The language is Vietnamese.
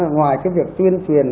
ngoài cái việc tuyên truyền